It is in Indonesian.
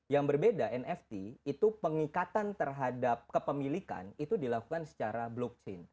yang berbeda nft itu pengikatan terhadap kepemilikan itu dilakukan secara blockchain